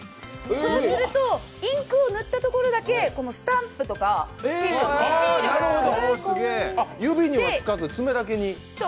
そうするとインクを塗ったところだけスタンプとかシールがつくっていう。